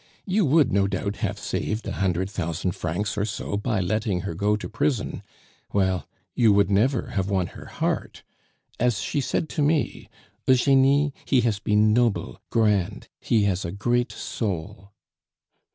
You would, no doubt, have saved a hundred thousand francs or so by letting her go to prison. Well, you would never have won her heart. As she said to me 'Eugenie, he has been noble, grand he has a great soul.